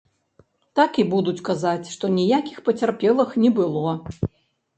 Так і будуць казаць, што ніякіх пацярпелых не было.